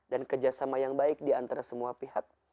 dan kerjasama yang baik diantara semua pihak